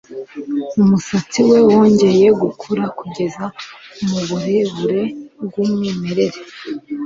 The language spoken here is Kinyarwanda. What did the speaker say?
Umusatsi we wongeye gukura kugeza muburebure bwumwimerere